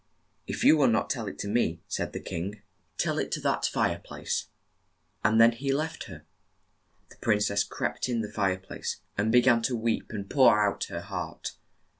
"If you will not tell it to me," said the king, "tell it to THE GOOSE GIRL 49 that fire place." And then he left her. The prin cess crept in the fire place, and be gan to weep and pour out her heart.